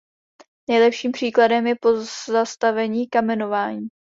Nejlepším příkladem je pozastavení kamenování.